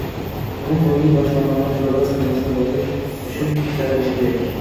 O’ng qo’lning bosh barmog’i probel tugmasini bosich uchun ishlatilishi kerak